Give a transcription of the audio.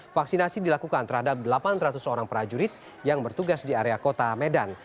vaksinasi dilakukan terhadap delapan ratus orang prajurit yang bertugas di area kota medan